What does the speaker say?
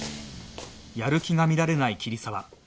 やる気が見られない桐沢